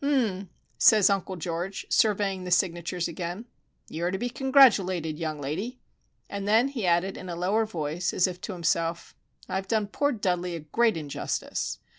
"H m m!" says Uncle George, surveying the signatures again. "You are to be congratulated, young lady." And then he added in a lower tone, as if to himself:—"I've done poor Dudley a great injustice.